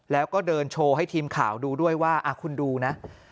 แล้วก็เดินโชว์ให้ทีมข่าวดูด้วยว่าคุณดูนะ